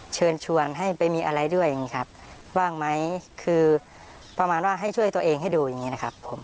เชิญชวนให้ไปมีอะไรด้วยอย่างนี้ครับว่างไหมคือประมาณว่าให้ช่วยตัวเองให้ดูอย่างนี้นะครับผม